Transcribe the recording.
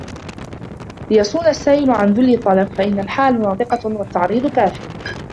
لَيَصُونَ السَّائِلَ عَنْ ذُلِّ الطَّلَبِ فَإِنَّ الْحَالَ نَاطِقَةٌ وَالتَّعْرِيضَ كَافٍ